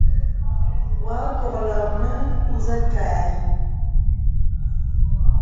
Wɔ a nkɔlə mə zə̀ kâ ə̀.